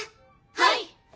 はい！